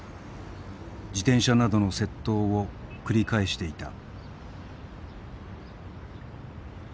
自転車などの窃盗を繰り返していた。